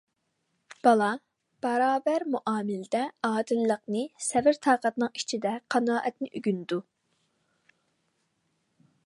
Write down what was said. بالا باراۋەر مۇئامىلىدە ئادىللىقنى سەۋر-تاقەتنىڭ ئىچىدە قانائەتنى ئۆگىنىدۇ.